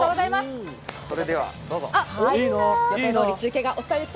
それではどうぞ。